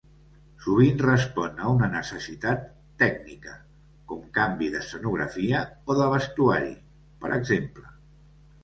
Sovint respon a una necessitat tècnica, com canvi d'escenografia o de vestuari, per exemple.